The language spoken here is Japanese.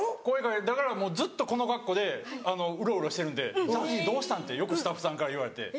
だからもうずっとこの格好でウロウロしてるんで「ＺＡＺＹどうしたん？」ってよくスタッフさんから言われて。